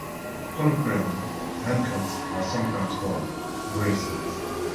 Colloquially, handcuffs are sometimes called "bracelets".